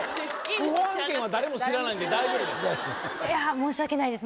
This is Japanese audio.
いやあ申し訳ないです